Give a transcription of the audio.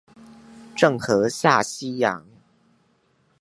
鄭和下西洋